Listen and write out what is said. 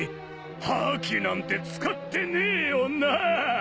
覇気なんて使ってねえよなぁ！